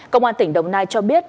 công an tỉnh đồng nai cho biết